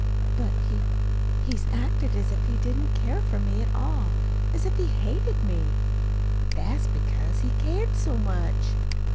"But, he he's acted as if he didn't care for me at all as if he hated me." "That's because he cared so much."